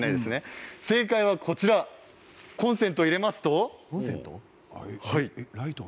正解はコンセントを入れますと。